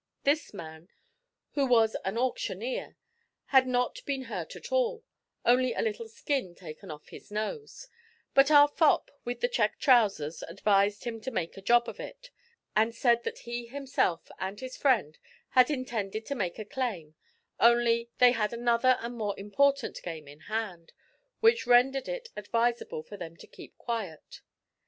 This man, who was an auctioneer, had not been hurt at all only a little skin taken off his nose, but our fop with the check trousers advised him to make a job of it, and said that he himself and his friend had intended to make a claim, only they had another and more important game in hand, which rendered it advisable for them to keep quiet.